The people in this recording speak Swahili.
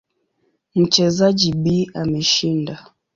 Mchezaji B ameshinda.